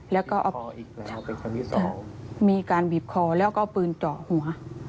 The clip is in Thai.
แล้วก็เอาใช่ค่ะมีการบีบคอแล้วก็เอาปืนเจาะหัว